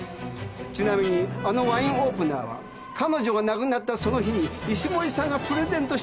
ちなみにあのワインオープナーは彼女が亡くなったその日に石森さんがプレゼントしたもんなんです。